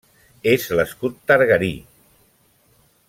És l'escut targarí.